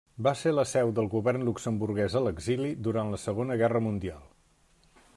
Va ser la seu del Govern luxemburguès a l'exili durant la Segona Guerra Mundial.